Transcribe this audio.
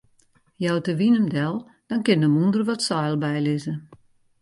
Jout de wyn him del, dan kin de mûnder wat seil bylizze.